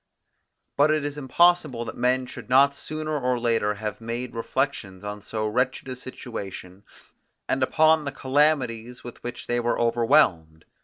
But it is impossible that men should not sooner or later have made reflections on so wretched a situation, and upon the calamities with which they were overwhelmed.